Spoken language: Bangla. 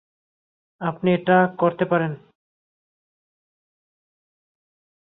আপনি এটা করতে পারেন না।